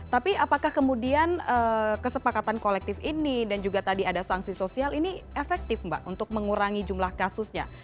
tapi apakah kemudian kesepakatan kolektif ini dan juga tadi ada sanksi sosial ini efektif mbak untuk mengurangi jumlah kasusnya